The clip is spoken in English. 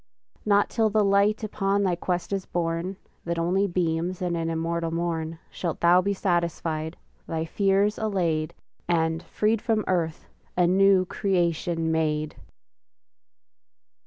Not till the light upon thy quest is born, That only beams in an immortal morn, Shalt thou be satisfied, thy fears allayed, And, freed from earth, a new creation made!